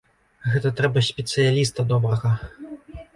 Гэта трэба спецыяліста добрага.